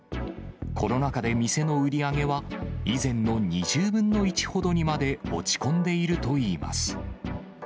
コロナ禍で店の売り上げは以前の２０分の１ほどにまで落ち込んでいるといいます。